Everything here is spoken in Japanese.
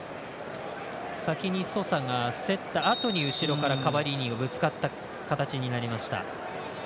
先にソサが競ったあとに後ろからカバリーニがぶつかった形になりました。